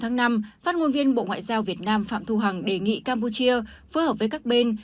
ngày năm năm phát ngôn viên bộ ngoại giao việt nam phạm thu hằng đề nghị campuchia phù hợp với các bên